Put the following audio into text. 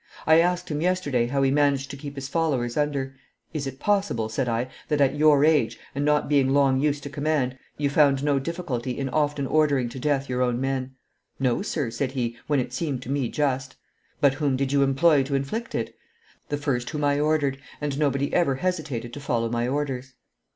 I asked him yesterday how he managed to keep his fellows under. 'Is it possible,' said I, 'that, at your age, and not being long used to command, you found no difficulty in often ordering to death your own men?' 'No, sir,' said he, 'when it seemed to me just.' 'But whom did you employ to inflict it?' 'The first whom I ordered, and nobody ever hesitated to follow my orders.